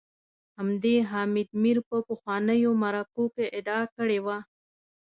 همدې حامد میر په پخوانیو مرکو کي ادعا کړې وه